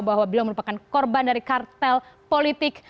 bahwa beliau merupakan korban dari kartel politik